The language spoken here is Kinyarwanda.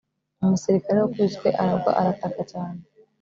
Umusirikare wakubiswe aragwa arataka cyane